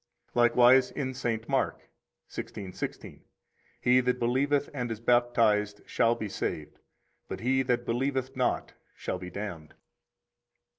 Likewise in St. Mark 16:16: 5 He that believeth and is baptized shall be saved; but he that believeth not shall be damned.